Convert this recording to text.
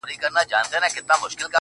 درد ناځوانه بيا زما، ټول وجود نيولی دی~